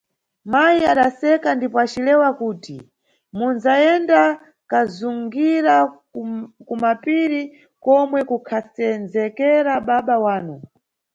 Mayi adaseka ndipo acilewa kuti mundzayenda kazungira kumapiri komwe kukhasendzekera baba wanu.